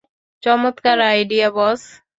চমৎকার আইডিয়া, বস!